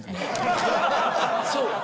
そう。